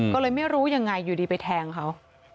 ก็เลยไม่รู้ยังไงอยู่ดีไปแทงเขา